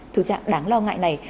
thứ trạng đáng lo ngại này